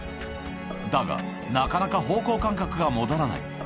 だが、なかなか方向感覚が戻らない。